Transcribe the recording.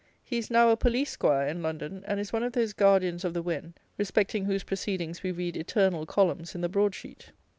He is now a Police 'squire in London, and is one of those guardians of the Wen, respecting whose proceedings we read eternal columns in the broad sheet.